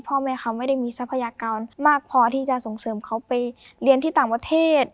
พ่อแม่เขาไม่ได้มีทรัพยากรมากพอที่จะส่งเสริมเขาไปเรียนที่ต่างประเทศ